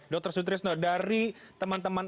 dr sutrisno dari teman teman